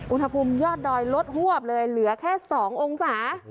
อุณหภูมิยอดดอยลดหวบเลยเหลือแค่๒องศา